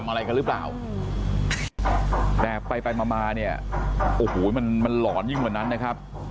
อะไรกันหรือเปล่าแต่ไปไปมามาเนี่ยโอ้โหมันมันหลอนยิ่งกว่านั้นนะครับ